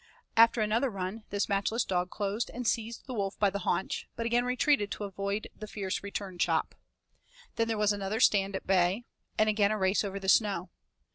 After another run this matchless dog closed and seized the wolf by the haunch, but again retreated to avoid the fierce return chop. Then there was another stand at bay, and again a race over the snow.